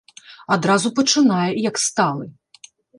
Адразу пачынае, як сталы.